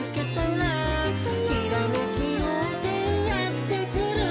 「ひらめきようせいやってくる」